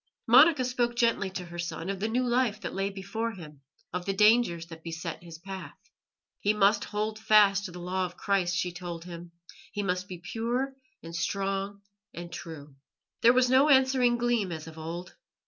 Monica spoke gently to her son of the new life that lay before him, of the dangers that beset his path. He must hold fast to the Law of Christ, she told him; he must be pure and strong and true. There was no answering gleam as of old.